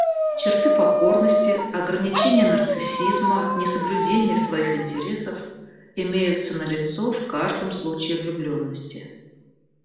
Черты покорности, ограничения нарциссизма, несоблюдения своих интересов имеются налицо в каждом случае влюбленности.